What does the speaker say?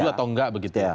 setuju atau enggak begitu ya